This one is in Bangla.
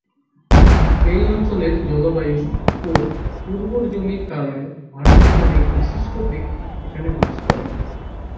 এই অঞ্চলের জলবায়ু ও উর্বর জমির কারণে ভারতের অনেক বিশিষ্ট ব্যক্তি এখানে বাস করেন।